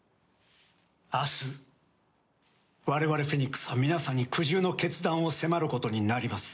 明日我々フェニックスは皆さんに苦渋の決断を迫ることになります。